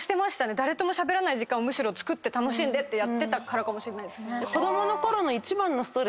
誰ともしゃべらない時間をむしろつくって楽しんでってやってたからかもしれないですね。